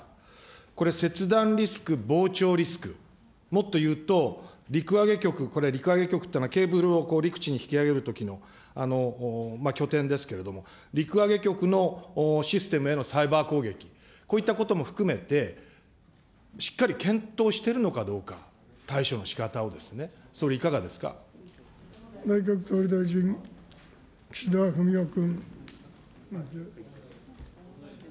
これ、切断リスク、傍聴リスク、もっと言うと陸揚げ局、これ陸揚げ局というのは、ケーブルを陸地に引き上げるときの拠点ですけれども、陸揚げ局のシステムへのサイバー攻撃、こういったことも含めて、しっかり検討してるのかどうか、対処のしかたをで内閣総理大臣、岸田文雄君。